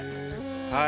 はい。